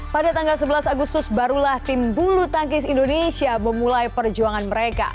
pada tanggal sebelas agustus barulah tim bulu tangkis indonesia memulai perjuangan mereka